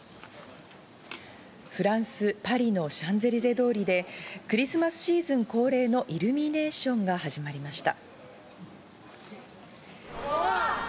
フランス・パリのシャンゼリゼ通りでクリスマスシーズン恒例のイルミネーションが始まりました。